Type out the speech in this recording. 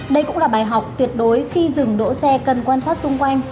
đây cũng là bài học tuyệt đối khi dừng đỗ xe cần quan sát xung quanh